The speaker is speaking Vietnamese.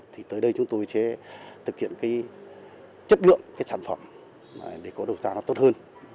thì tới đây chúng tôi sẽ thực hiện cái chất lượng cái sản phẩm để có đầu ra nó tốt hơn